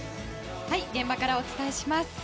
現場からお伝えします。